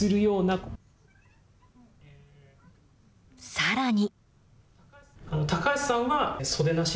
さらに。